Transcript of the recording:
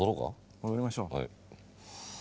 戻りましょう。